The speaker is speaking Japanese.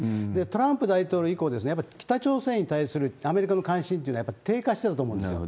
トランプ大統領以降、やっぱり北朝鮮に対するアメリカの関心というのはやっぱ低下してたと思うんですよ。